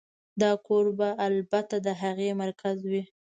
دا کور به البته د هغې مرکز وي